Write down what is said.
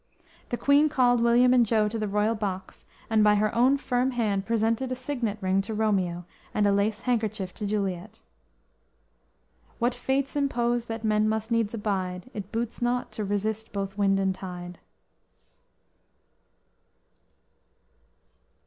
The Queen called William and Jo to the royal box and by her own firm hand presented a signet ring to Romeo and a lace handkerchief to Juliet! _"What fates impose, that men must needs abide; It boots not to resist both wind and tide!"